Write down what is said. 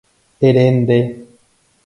Ere nde.